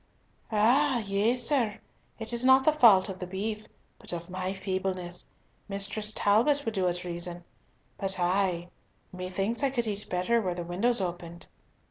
"Ah! yea, sir. It is not the fault of the beef, but of my feebleness. Mistress Talbot will do it reason. But I, methinks I could eat better were the windows opened."